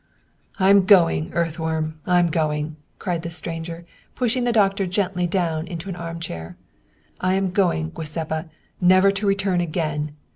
" I'm going, earthworm, I'm going !" cried the stranger, pushing the doctor gently down into an armchair. " I am going, Giuseppa, never to return again